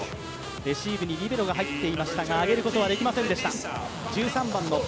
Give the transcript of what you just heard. レシーブにリベロが入っていましたが、上げることはできませんでした。